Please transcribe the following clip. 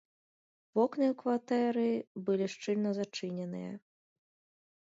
Вокны ў кватэры былі шчыльна зачыненыя.